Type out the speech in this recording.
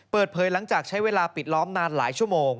เปิดเผยหลังจากใช้เวลาปิดล้อมนานหลายชั่วโมง